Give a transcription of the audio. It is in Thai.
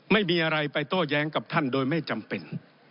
ไม่มีอะไรไปโต้แย้งกับท่านโดยไม่จำเป็น